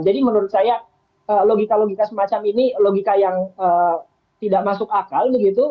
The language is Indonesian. jadi menurut saya logika logika semacam ini logika yang tidak masuk akal begitu